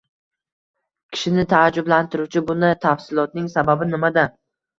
Kishini taajjublantiruvchi bunday tafsilotning sababi nimada?